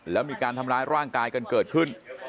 แล้วมีการทำร้ายร่างกายกันเกิดขึ้น